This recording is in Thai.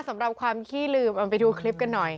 สำหรับความขี้ลืมเอาไปดูคลิปกันหน่อย